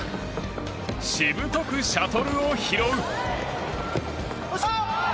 しぶとくシャトルを拾う。